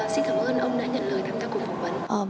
xin cảm ơn ông đã nhận lời tham gia cuộc phỏng vấn